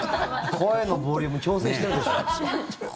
声のボリューム調整してるでしょ。